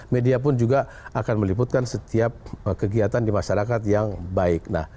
media pun juga akan meliputkan setiap kegiatan di masyarakat yang baik